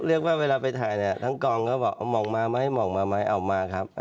เรียกว่าเวลาไปถ่ายทั้งกองเขาบอกมองมาไหมมองมาไหมเอามาครับ